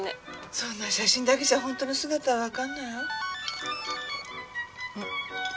そんな写真だけじゃほんとの姿はわかんないわよ。